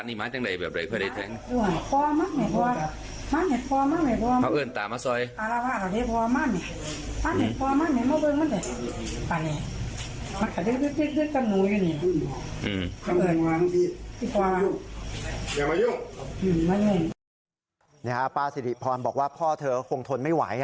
นี่ฮะป้าสิริพรบอกว่าพ่อเธอคงทนไม่ไหว